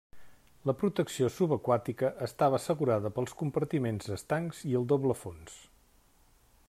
La protecció subaquàtica estava assegurada pels compartiments estancs i el doble fons.